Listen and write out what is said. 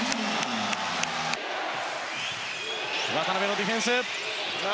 渡邊のディフェンス！